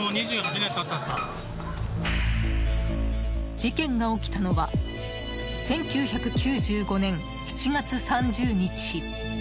事件が起きたのは１９９５年７月３０日。